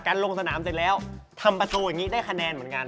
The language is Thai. ลงสนามเสร็จแล้วทำประตูอย่างนี้ได้คะแนนเหมือนกัน